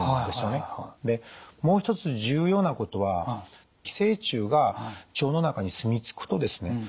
でもう一つ重要なことは寄生虫が腸の中に住み着くとですね